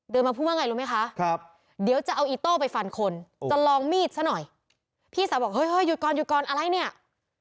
เดินมาพูดว่าไงรู้ไหมคะ